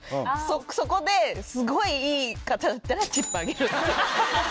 そこですごいいい方だったらチップあげる。